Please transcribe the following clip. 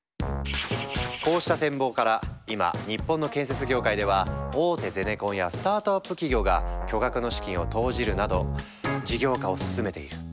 こうした展望から今日本の建設業界では大手ゼネコンやスタートアップ企業が巨額の資金を投じるなど事業化を進めている。